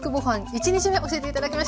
１日目教えて頂きました。